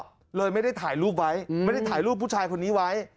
ก็เลยไม่ได้ถ่ายรูปไว้ไม่ได้ถ่ายรูปผู้ชายคนนี้ไว้